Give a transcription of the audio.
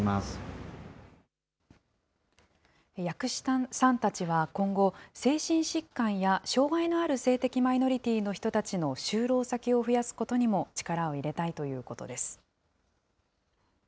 藥師さんたちは今後、精神疾患や障害のある性的マイノリティーの人たちの就労先を増やすことにも、力を入れたいということです。